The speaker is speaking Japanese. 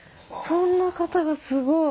そんな方がすごい。